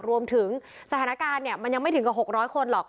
รวมถึงสถานการณ์เนี้ยมันยังไม่ถึงกว่าหกร้อยคนหรอก